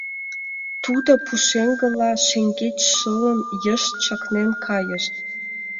Тудо, пушеҥгыла шеҥгеч шылын, йышт чакнен кайыш.